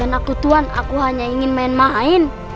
ampun tuan aku hanya ingin main main